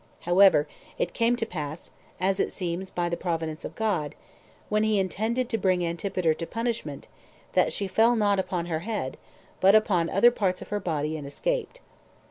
However, it came to pass, as it seems by the providence of God, when he intended to bring Antipater to punishment, that she fell not upon her head, but upon other parts of her body, and escaped.